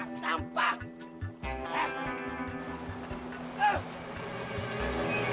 aku tempat pikir mereka jauh lagi standpoint